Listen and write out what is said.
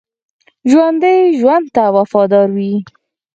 ژوندي ژوند ته وفادار وي